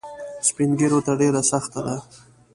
سپین ږیرو ته ډېره سخته ده.